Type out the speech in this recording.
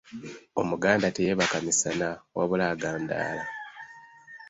Omuganda teyeebaka misana wabula agandaala.